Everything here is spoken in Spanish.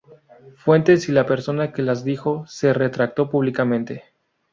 Fuentes y la persona que las dijo, se retractó públicamente.